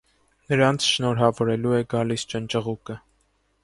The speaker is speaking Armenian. Նրանց շնորհավորելու է գալիս ճնճղուկը։